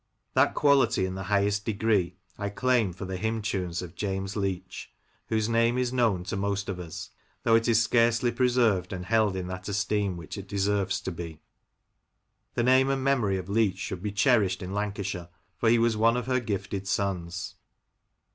That quality, in the highest degree, I claim for the hymn tunes of James Leach, whose name is known to most of us, though it is scarcely preserved and held in that esteem which it deserves to be. The name and memory of Leach should be cherished in Lancashire, for he was one of her gifted sons.